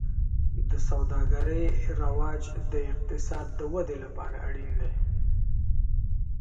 د سوداګرۍ رواج د اقتصاد د ودې لپاره اړین دی.